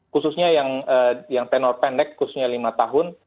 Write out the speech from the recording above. khususnya yang tenor pendek khususnya lima tahun